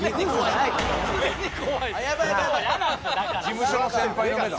事務所の先輩の目だ。